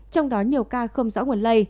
trong đó nhiều ca không rõ nguồn lợi